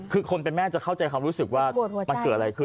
คือคนเป็นแม่จะเข้าใจความรู้สึกว่ามันเกิดอะไรขึ้น